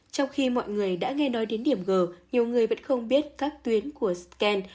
trong khi mọi người đã nghe nói đến điểm g nhiều người vẫn không biết các tuyến của scan